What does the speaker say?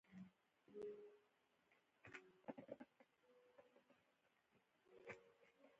تولنیز منزلت هم باید د لاسرسي وړ وي.